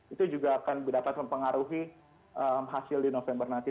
itu juga akan dapat mempengaruhi hasil di november nanti